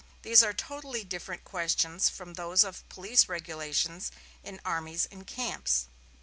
These are totally different questions from those of police regulations in armies and camps."